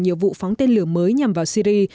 nhiều vụ phóng tên lửa mới nhằm vào syri